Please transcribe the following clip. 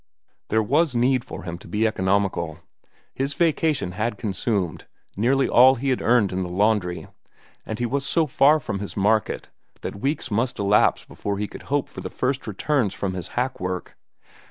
There was need for him to be economical. His vacation had consumed nearly all he had earned in the laundry, and he was so far from his market that weeks must elapse before he could hope for the first returns from his hack work.